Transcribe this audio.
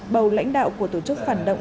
bầu lãnh đạo của tổ chức phản động